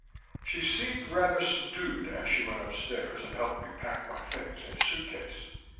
She seemed rather subdued as she went upstairs and helped me pack my things in a suitcase.